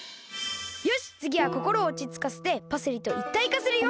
よしつぎはこころをおちつかせてパセリといったいかするよ！